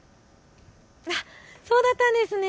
そうだったんですね。